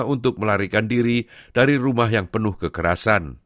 untuk melarikan diri dari rumah yang penuh kekerasan